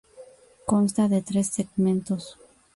Consta de tres segmentos.